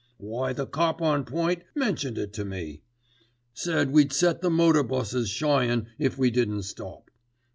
Why the cop on point mentioned it to me. Said we'd set the motor busses shyin' if we didn't stop.